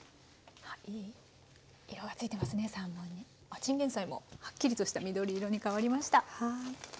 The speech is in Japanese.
チンゲンサイもはっきりとした緑色に変わりました。